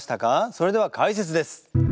それでは解説です。